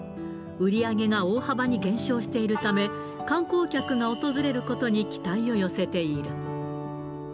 売り上げが大幅に減少しているため、観光客が訪れることに期待を寄せている。